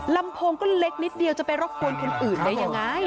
ลำโพงก็เล็กนิดเดียวจะไปรบกวนคนอื่นได้ยังไง